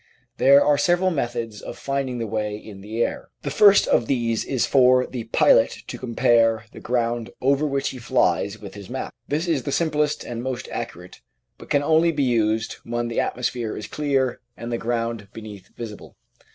There are several methods of finding the way in the air. The first of these is for the pilot to compare the ground over Applied Science 851 which he flies with his map. This is the simplest and most accurate, but can only be used when the atmosphere is clear and the ground beneath visible.